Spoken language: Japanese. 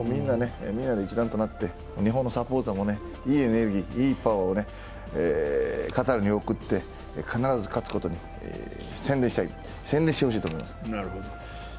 みんなで一丸となって日本のサポーターもいいエネルギーをカタールに送って必ず勝つことに専念してほしいと思います。